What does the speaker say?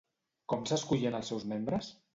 Com s'escollien els seus membres?